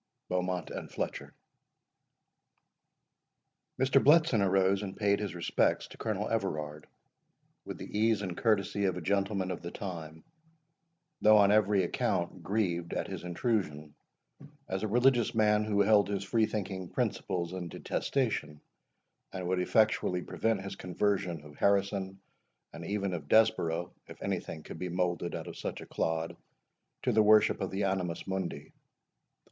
BEAUMONT AND FLETCHER. Mr. Bletson arose and paid his respects to Colonel Everard, with the ease and courtesy of a gentleman of the time; though on every account grieved at his intrusion, as a religious man who held his free thinking principles in detestation, and would effectually prevent his conversion of Harrison, and even of Desborough, if any thing could be moulded out of such a clod, to the worship of the Animus Mundi.